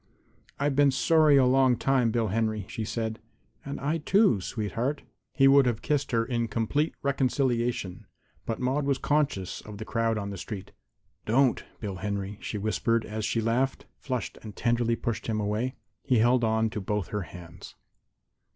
"I've been sorry a long time, Bill Henry," she said. "And I, too, sweetheart." He would have kissed her in complete reconciliation, but Maude was conscious of the crowd on the street. "Don't, Bill Henry," she whispered as she laughed, flushed and tenderly pushed him away. He held on to both her hands.